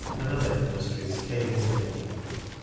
Another industry is cable making.